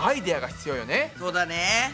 そうだね。